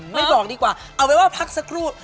ไม่บอกดีกว่าเอาไปว่าพักสักครู่